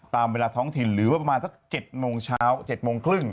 ตามเวลาท้องถิ่นหรือว่าประมาณสัก๗โมงเช้า๗โมงครึ่ง